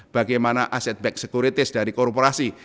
bagaimana asset back securities dari korporasi